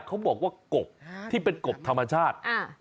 เขาบอกว่ากบที่เป็นกบธรรมชาติ